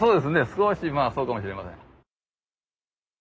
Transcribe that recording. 少しまあそうかもしれません。